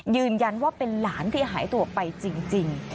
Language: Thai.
ยืนยันว่าเป็นหลานที่หายตัวไปจริง